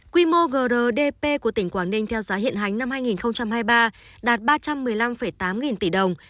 quy mô grdp của tỉnh quảng ninh theo giá hiện hành năm hai nghìn hai mươi ba đạt ba trăm một mươi năm tám nghìn tỷ đồng